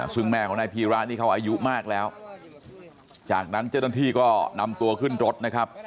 ซึ่งแม่ของนายพีระนี่เขาอายุมากแล้วจากนั้นเจ้าหน้าที่ก็นำตัวขึ้นรถนะครับ